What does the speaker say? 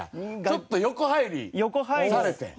ちょっと横入りされて。